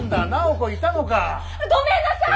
ごめんなさい！